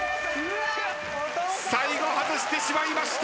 最後外してしまいました。